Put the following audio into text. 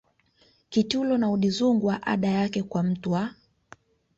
Kitulo na Udzungwa ada yake kwa mtu wa